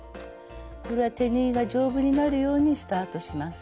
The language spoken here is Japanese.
これは手縫いが丈夫になるようにスタートします。